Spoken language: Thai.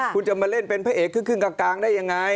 คุณจะมาเล่นเป็นพระเอกครึ่งกลางได้ยังไง